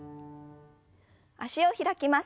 脚を開きます。